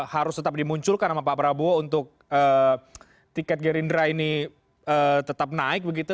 harus tetap dimunculkan sama pak prabowo untuk tiket gerindra ini tetap naik begitu